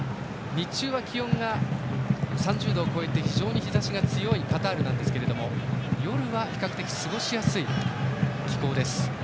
日中は気温が３０度を超えて日ざしが強いカタールですが夜は比較的過ごしやすい気候です。